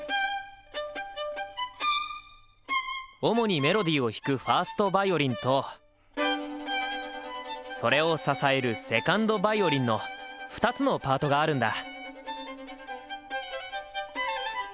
主にメロディーを弾く１ｓｔヴァイオリンとそれを支える２ｎｄヴァイオリンの２つのパートがあるんだ。